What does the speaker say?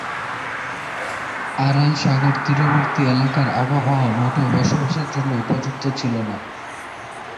Aral সাগর তীরবর্তী এলাকার আবহাওয়া মোটেও বসবাসের জন্য উপযুক্ত ছিল না।